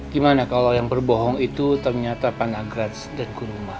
gimana kalau yang berbohong itu ternyata panagraja dan guru maha